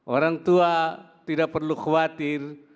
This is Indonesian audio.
orang tua tidak perlu khawatir